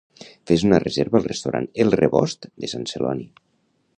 Fes una reserva al restaurant El Rebost de Sant Celoni.